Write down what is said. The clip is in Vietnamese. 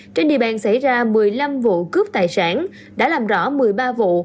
trên địa bàn xảy ra một mươi năm vụ cướp tài sản đã làm rõ một mươi ba vụ